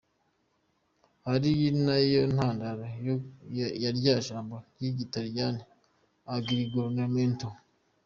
Ari na yo ntandaro ya rya jambo ry’Igitaliyani ‘Aggiornamento’.